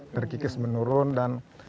terkikis menurun dan